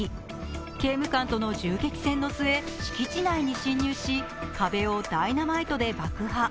刑務官との銃撃戦の末、敷地内に侵入し、壁をダイナマイトで爆破。